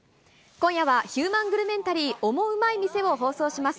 今夜はヒューマングルメンタリーオモウマい店を放送します。